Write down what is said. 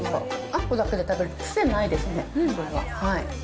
あんこだけで食べると癖ないですね。